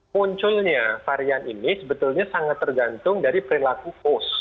munculnya varian ini sebetulnya sangat tergantung dari perilaku post